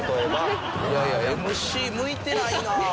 いやいやＭＣ向いてないな。